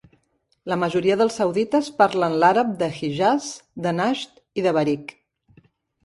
La majoria dels saudites parlen l'àrab de Hijaz, de Najd i de Bariq.